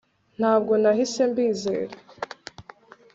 Ntabwo nahise mbizera